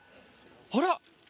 あら？